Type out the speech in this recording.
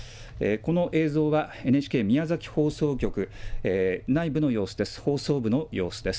この映像は、ＮＨＫ宮崎放送局内部の様子です。